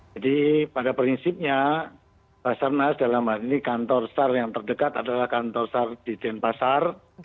jadi pada prinsipnya basarnas dalam hal ini kantor sar yang terdekat adalah kantor sar di denpasar